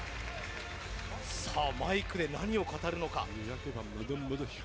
マイクで何を語るのか。